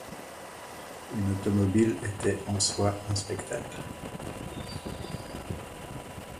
Une automobile était en soi un spectacle.